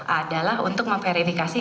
adalah untuk memverifikasi